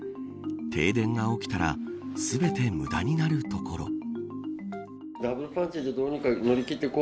停電が起きたら全て無駄になるところ。